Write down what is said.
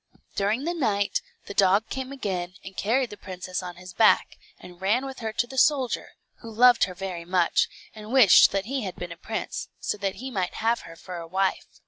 During the night, the dog came again and carried the princess on his back, and ran with her to the soldier, who loved her very much, and wished that he had been a prince, so that he might have her for a wife.